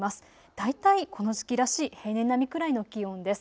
大体この時期らしい平年並みくらいの気温です。